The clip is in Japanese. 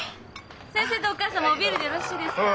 先生とお母様おビールでよろしいですか？